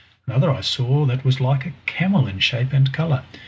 Another I saw that was like a camel in shape and colour.